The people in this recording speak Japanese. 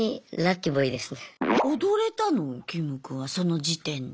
キム君はその時点で。